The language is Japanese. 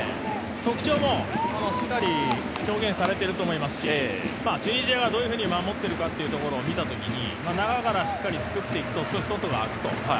特徴もしっかり表現されていると思いますし、チュニジアがどういうふうに守っているかを考えたときに中からしっかり作っていくと外があくと。